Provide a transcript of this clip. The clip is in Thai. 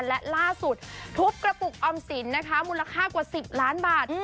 และล่าสุดทุบกระปุกออมสินนะคะมูลค่ากว่า๑๐ล้านบาท